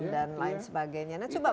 dan lain sebagainya nah coba